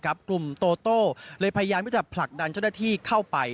กลุ่มโตโต้เลยพยายามที่จะผลักดันเจ้าหน้าที่เข้าไป